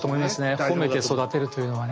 褒めて育てるというのはね。